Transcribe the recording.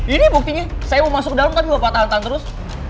ini buktinya saya mau masuk dalam kami bapak tahan tahan terus